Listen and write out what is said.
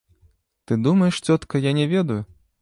Ты думаеш, цётка, я не ведаю?